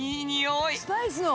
スパイスの！